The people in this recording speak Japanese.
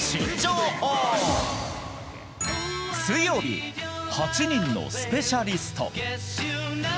水曜日、８人のスペシャリスト。